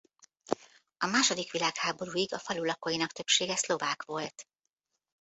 A második világháborúig a falu lakóinak többsége szlovák volt.